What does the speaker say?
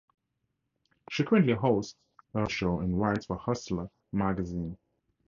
She currently hosts her own Vivid Radio show and writes for "Hustler" magazine.